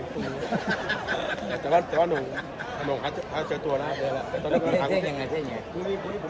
มีโชว์วันอีก๑๒ใช่ไหม